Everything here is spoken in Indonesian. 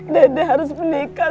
dede harus menikah